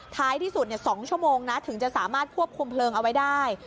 ท้ายที่สุด๒ชั่วโมงนะถึงจะสามารถควบคุมเพลิงเอาไว้ได้